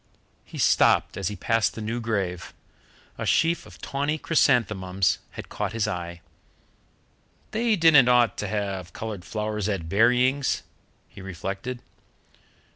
He stopped as he passed the new grave; a sheaf of tawny chrysanthemums had caught his eye. "They didn't ought to have coloured flowers at buryings," he reflected.